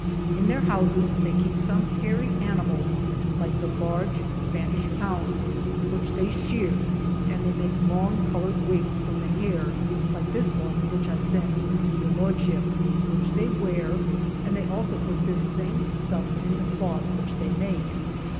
In their houses they keep some hairy animals, like the large Spanish hounds, which they shear, and they make long col ored wigs from the hair, like this one which I send to Your Lordship, which they wear, and they also put this same stuff in the cloth which they make.